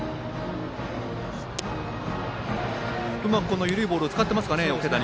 うまく緩いボールを桶谷は使っていますか。